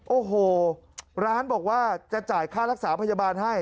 โอ้โหร้านบอกว่าจะจ่ายค่ารักษาพยาบาลให้